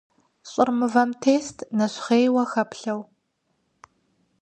Лӏыр мывэм тест, нэщхъейуэ хэплъэу.